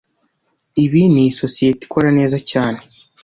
Ibi niisosiyete ikora neza cyane.